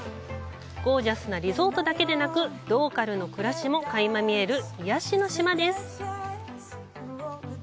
ゴージャスなリゾートだけでなくローカルの暮らしもかいま見える癒やしの島です。